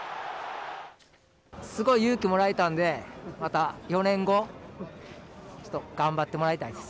すごい勇気もらえたんで、また４年後、ちょっと頑張ってもらいたいです。